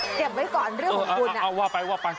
เก็บไว้ก่อนเรื่องของคุณ